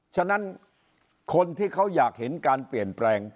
ฉะนั้นคนที่เขาอยากเห็นการเปลี่ยนแปลง